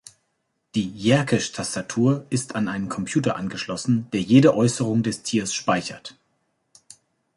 Die Yerkish-Tastatur ist an einen Computer angeschlossen, der jede Äußerung des Tiers speichert.